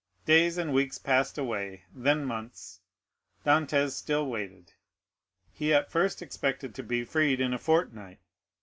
Days and weeks passed away, then months—Dantès still waited; he at first expected to be freed in a fortnight.